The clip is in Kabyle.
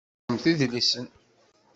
Treḍḍlemt idlisen.